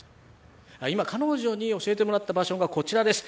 今、彼女に教えてもらった場所はこちらです。